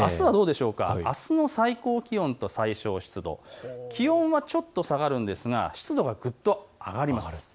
あすの最高気温と最小湿度、気温はちょっと下がるんですが湿度がぐっと上がります。